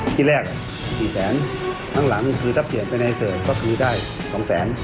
ที่แรก๔แสนข้างหลังคือถ้าเปลี่ยนไปในส่วนก็คือได้๒แสน